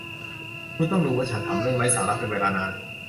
คุณต้องรู้ว่าฉันทำเรื่องไร้สาระเป็นเวลานาน